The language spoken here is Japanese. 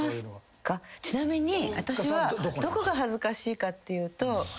ちなみに私はどこが恥ずかしいかっていうと。